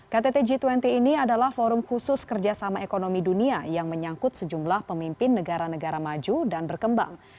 ktt g dua puluh ini adalah forum khusus kerjasama ekonomi dunia yang menyangkut sejumlah pemimpin negara negara maju dan berkembang